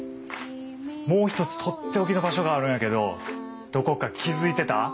もう一つ取って置きの場所があるんやけどどこか気付いてた？